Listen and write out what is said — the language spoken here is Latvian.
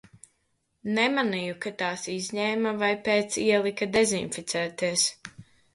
Nemanīju, ka tās izņēma vai pēc ielika dezinficēties.